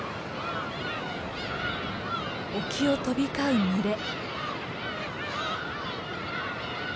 沖を飛び交う群れ。